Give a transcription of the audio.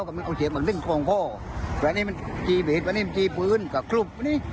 วันนี้ชีเปลี่ยนวันนี้มันชีปืนกระคลุบนี่